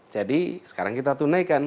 jadi sekarang kita tunaikan